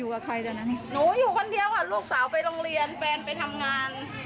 หนูอยู่กันเดียวค่ะลูกสาวไปโรงเรียนแฟนไปทำงาน